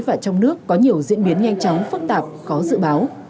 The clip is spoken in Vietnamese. và trong nước có nhiều diễn biến nhanh chóng phức tạp khó dự báo